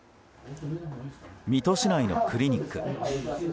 水戸市内のクリニック。